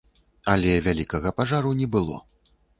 Але вялікага пажару не было.